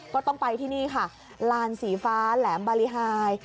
ก็ต้องไปที่นี่ค่ะลานสีฟ้าแหลมบาริหาย